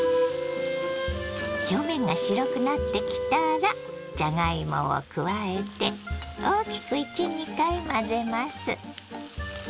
表面が白くなってきたらじゃがいもを加えて大きく１２回混ぜます。